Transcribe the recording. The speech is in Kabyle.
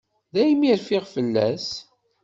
Daymi rfiɣ fell-as.